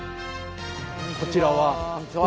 こちらは？